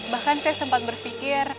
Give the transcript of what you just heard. bahkan saya sempat berpikir